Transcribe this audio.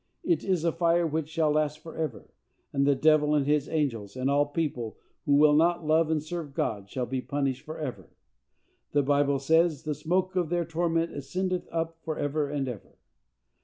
It is a fire which shall last forever; and the devil and his angels, and all people who will not love and serve God, shall there be punished forever. The Bible says, "The smoke of their torment ascendeth up for ever and ever."